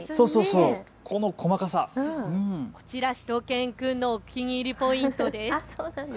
こちらしゅと犬くんのお気に入りポイントです。